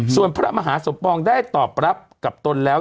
ส่วนพระมหาสมปองได้ตอบรับกับตนแล้ว